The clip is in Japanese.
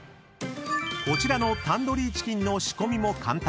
［こちらのタンドリーチキンの仕込みも簡単］